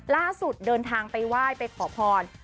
ล่าสุดเดินทางไปว่ายไปขอพร